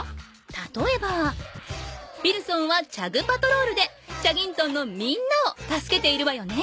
たとえばウィルソンはチャグ・パトロールでチャギントンのみんなを助けているわよね？